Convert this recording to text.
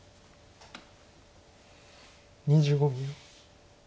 ２５秒。